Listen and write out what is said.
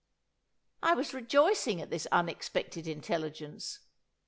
I was rejoicing at this unexpected intelligence.